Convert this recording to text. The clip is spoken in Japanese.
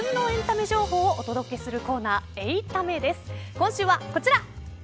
今週はこちら。